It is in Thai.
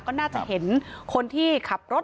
ก็น่าจะเห็นคนที่ขับรถ